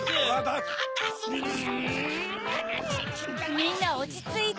みんなおちついて！